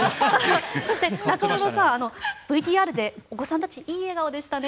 そして、中室さんＶＴＲでお子さんたちいい笑顔でしたね。